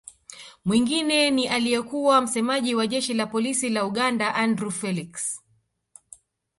Mwingine ni aliyekuwa msemaji wa Jeshi la Polisi la Uganda Andrew Felix